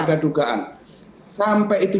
ada dugaan sampai itu